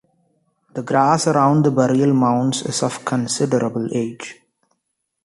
The grass around the burial mounds is of considerable age.